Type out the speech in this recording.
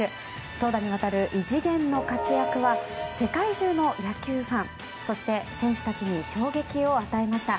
投打にわたる異次元の活躍は世界中の野球ファンそして選手たちに衝撃を与えました。